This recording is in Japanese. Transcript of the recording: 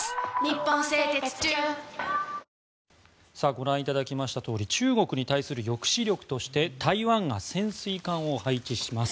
ご覧いただきましたとおり中国に対する抑止力として台湾が潜水艦を配置します。